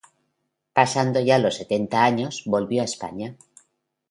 Pasando ya los setenta años volvió a España.